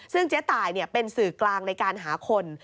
ซึ่งเจ๊ตายเป็นสื่อกลางในการหาคน